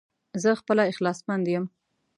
زه خپله اخلاص مند يم